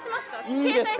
いいですか？